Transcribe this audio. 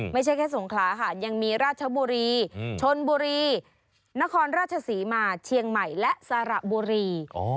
ไม่ใช่แค่สงขลาค่ะยังมีราชบุรีชนบุรีนครราชศรีมาเชียงใหม่และสระบุรี